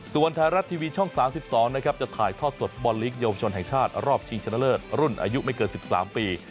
ส่วนไทยรัฐทีวีช่อง๓๒นะครับจะถ่ายทอดสดฟุตบอลลีกเยาวชนแห่งชาติรอบชิงชนะเลิศรุ่นอายุไม่เกิน๑๓ปี